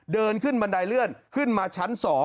เดินขึ้นบันไดเลื่อนขึ้นมาชั้น๒